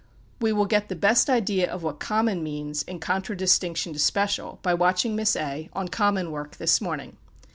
We will get the best idea of what "Common" means, in contradistinction to "Special," by watching Miss A, on "Common" work this morning.